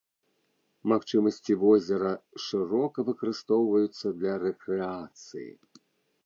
Магчымасці возера шырока выкарыстоўваюцца для рэкрэацыі.